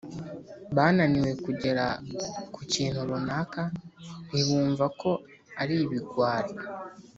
bananiwe kugera ku kintu runaka ntibumva ko ari ibigwari